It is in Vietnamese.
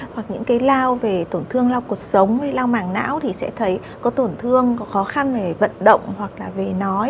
hoặc những cái lao về tổn thương lao cuộc sống hay lao màng não thì sẽ thấy có tổn thương có khó khăn về vận động hoặc là về nói